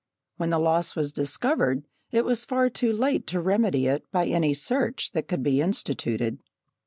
When the loss was discovered, it was far too late to remedy it by any search that could be instituted.